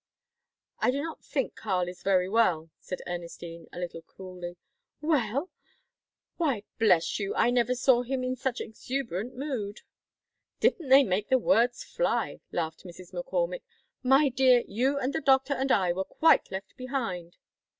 "I do not think Karl is very well," said Ernestine, a little coolly. "Well? Why, bless you, I never saw him in such exuberant mood." "Didn't they make the words fly?" laughed Mrs. McCormick. "My dear, you and the doctor and I were quite left behind."